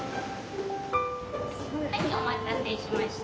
はいお待たせしました。